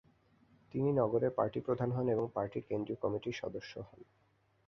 তিনি নগরের পার্টি প্রধান হন এবং পার্টির কেন্দ্রীয় কমিটির সদস্য হন।